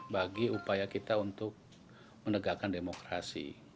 bagi upaya kita untuk menegakkan demokrasi